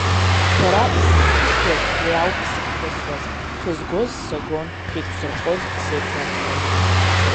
Шәара ишәыхҭысуаз уи ауп исыхҭысуаз, шәызгоз сагон, шәеиқәзырхоз сеиқәнархон.